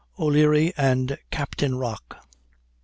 O'LEARY AND "CAPTAIN ROCK."